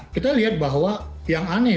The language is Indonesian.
kita lihat bahwa yang aneh